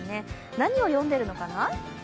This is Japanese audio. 何を読んでいるのかな？